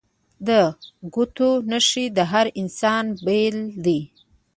د ګوتو نښې د هر انسان بیلې دي